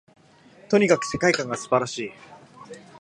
とにかく世界観が素晴らしい